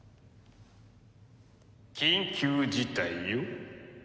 緊急事態よ！